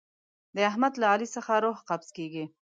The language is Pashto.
د احمد له علي څخه روح قبض کېږي.